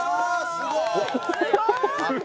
「すごい！」